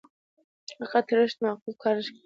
د عقل تړښت معقول کار نه ښکاري